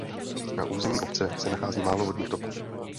Na území obce se nachází málo vodních toků.